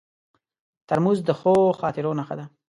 ترموز د ښو خاطرو نښه ده.